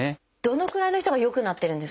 どのくらいの人が良くなってるんですか？